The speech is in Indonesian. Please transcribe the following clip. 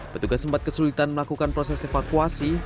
petugas sempat kesulitan melakukan proses evakuasi